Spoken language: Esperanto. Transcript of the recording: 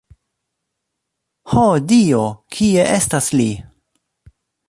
Ho, Dio, kie estas li?